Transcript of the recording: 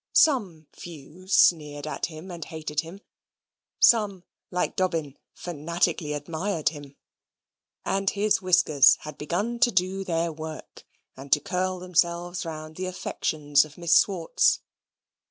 Some few sneered at him and hated him. Some, like Dobbin, fanatically admired him. And his whiskers had begun to do their work, and to curl themselves round the affections of Miss Swartz.